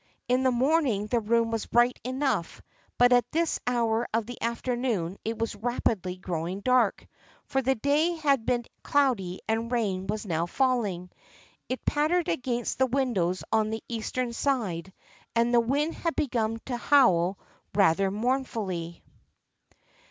In the morning the room was bright enough, but at this hour of the after noon it was rapidly growing dark, for the day had been cloudy and rain was now falling. It pattered against the windows on the Eastern side and the wind had begun to howl rather mournfully.